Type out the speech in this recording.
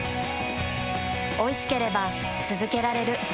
おいしければつづけられる。